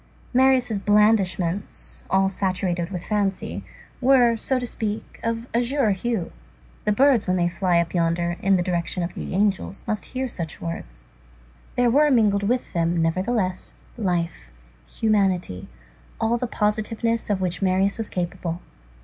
Marius' blandishments, all saturated with fancy, were, so to speak, of azure hue. The birds when they fly up yonder, in the direction of the angels, must hear such words. There were mingled with them, nevertheless, life, humanity, all the positiveness of which Marius was capable.